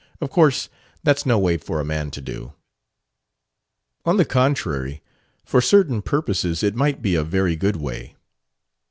Of course that's no way for a man to do." "On the contrary. For certain purposes it might be a very good way."